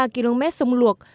hai mươi ba km sông luộc